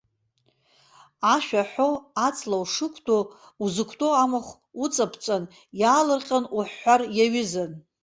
Ашәа ҳәо аҵла ушықәтәоу, узықәтәоу амахә уҵаԥҵәан, иаалырҟьан уҳәҳәар иаҩызан.